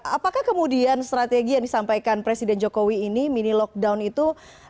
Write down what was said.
apakah kemudian strategi yang disampaikan presiden jokowi ini mini lockdown itu